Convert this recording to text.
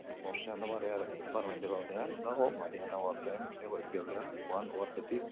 Ozeano Barearen ipar-mendebaldean dago, Mariana uharteen hego-ekialdean, Guam uhartetik gertu.